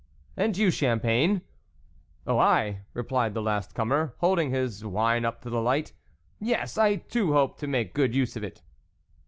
" And you, Champagne ?"" Oh, I," replied the last comer, holding his wine up to the light, " yes, I too hope to make good use of it."